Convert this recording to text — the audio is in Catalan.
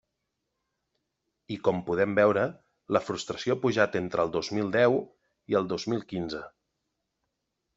I com podem veure, la frustració ha pujat entre el dos mil deu i el dos mil quinze.